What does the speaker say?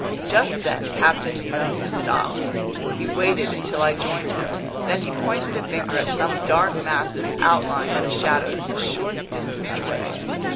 Just then Captain Nemo stopped. He waited until I joined him, then he pointed a finger at some dark masses outlined in the shadows a short distance away.